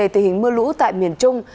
tình hình mưa lũ tại miền trung